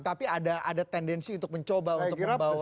tapi ada tendensi untuk mencoba untuk membawa